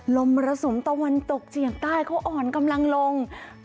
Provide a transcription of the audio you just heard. มรสุมตะวันตกเฉียงใต้เขาอ่อนกำลังลง